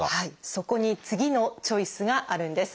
そこに次のチョイスがあるんです。